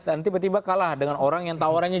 dan tiba tiba kalah dengan orang yang tawarannya